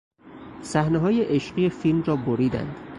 صحنههای عشقی فیلم را بریدند.